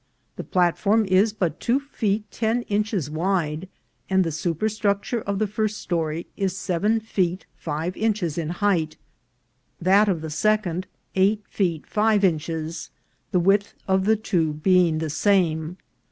The platform is but two feet ten inches wide, and the superstructure of the first story is seven feet five inches in height ; that of the second eight feet five inches, the width of the two being the same.